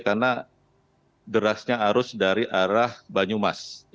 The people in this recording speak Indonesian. karena derasnya arus dari arah banyumas